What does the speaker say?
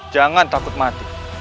jangan takut mati